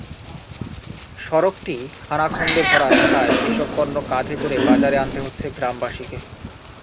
সড়কটি খানাখন্দে ভরা থাকায় এসব পণ্য কাঁধে করে বাজারে আনতে হচ্ছে গ্রামবাসীকে।